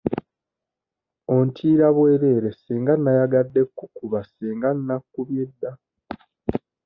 Ontiira bwerere singa nayagadde kkukuba singa nakkubye dda.